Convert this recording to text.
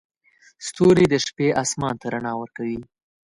ستوري د شپې اسمان ته رڼا ورکوي.